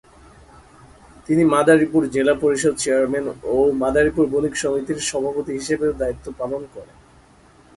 তিনি মাদারীপুর জেলা পরিষদ চেয়ারম্যান ও মাদারীপুর বণিক সমিতির সভাপতি হিসেবেও দায়িত্ব পালন করেন।